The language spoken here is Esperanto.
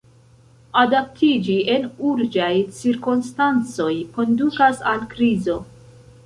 Adaptiĝi en urĝaj cirkonstancoj kondukas al krizo.